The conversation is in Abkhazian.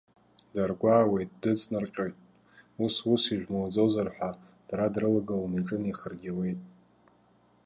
Даргәаауеит, дыҵнарҟьоит, ус-ус, ижәмуӡозар ҳәа, дара дрылагыланы иҿынаихаргьы ауеит.